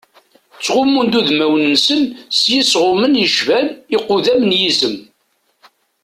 Ttɣummun-d udmawen-nsen s yisɣumen yecban iqudam n yizem.